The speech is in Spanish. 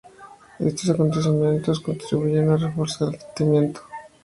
Estos acontecimientos contribuyeron a reforzar el sentimiento de una identidad nacional palestina.